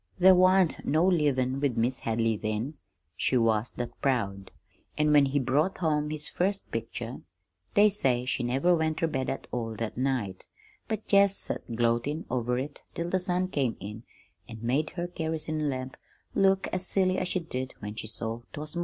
"There wan't no livin' with Mis' Hadley then, she was that proud; an' when he brought home his first picture, they say she never went ter bed at all that night, but jest set gloatin' over it till the sun came in an' made her kerosene lamp look as silly as she did when she saw 'twas mornin'.